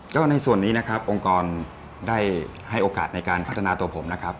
ก็ในส่วนนี้นะครับองค์กรได้ให้โอกาสในการพัฒนาตัวผมนะครับ